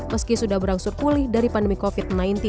meski sudah berangsur pulih dari pandemi covid sembilan belas